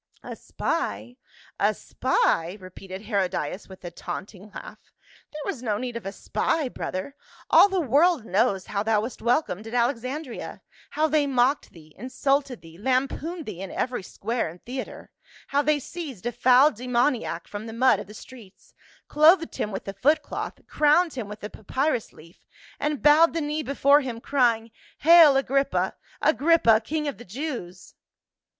" A spy, a spy ?" repeated Herodias with a taunting laugh, " there was no need of a spy, brother ; all the world knows how thou wast welcomed at Alexandria, how they mocked thee, insulted thee, lampooned thee in every square and theater. How they seized a foul demoniac from the mud of the streets, clothed him with a footcloth, crowned him with a papyrus leaf, and bowed the knee before him crying, ' Hail Agrippa, Agrippa, King of the Jews